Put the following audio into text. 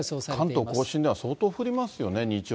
関東甲信では相当降りますよね。